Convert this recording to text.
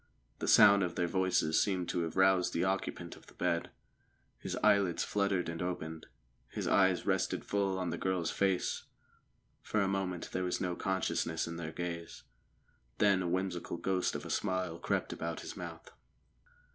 The sound of their voices seemed to have roused the occupant of the bed. His eyelids fluttered and opened; his eyes rested full on the girl's face. For a moment there was no consciousness in their gaze; then a whimsical ghost of a smile crept about his mouth.